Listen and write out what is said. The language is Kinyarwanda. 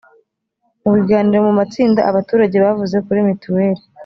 mu biganiro mu matsinda abaturage bavuze kuri mitiweli